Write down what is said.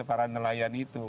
para nelayan itu